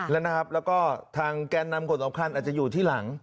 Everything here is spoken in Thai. แล้วก็ทางแกนนำคนสำคัญอาจจะอยู่ที่หลัง